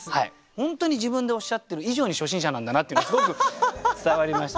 本当に自分でおっしゃってる以上に初心者なんだなっていうのすごく伝わりました。